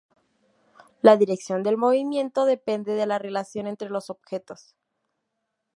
La dirección del movimiento depende de la relación entre los objetos.